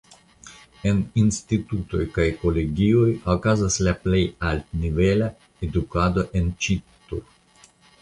En institutoj kaj kolegioj okazas la plej altnivela edukado en Ĉittur.